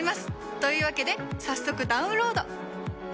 というわけで早速ダウンロード！